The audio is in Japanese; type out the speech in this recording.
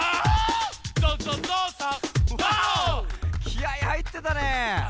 きあいはいってたね。